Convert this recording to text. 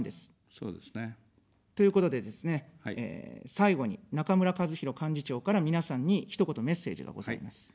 そうですね。ということでですね、最後に中村かずひろ幹事長から皆さんにひと言メッセージがございます。